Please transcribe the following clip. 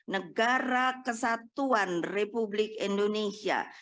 negara kesatuan republik indonesia